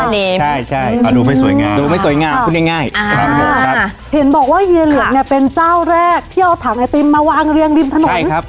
ง่ายง่ายอ่าครับเห็นบอกว่าเฮียเหลือกเนี้ยเป็นเจ้าแรกที่เอาถังไอติมมาวางเรียงริมถนนใช่ครับ